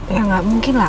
ya gak mungkin lah